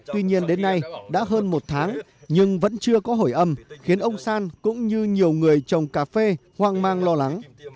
tuy nhiên đến nay đã hơn một tháng nhưng vẫn chưa có hồi âm khiến ông san cũng như nhiều người trồng cà phê hoang mang lo lắng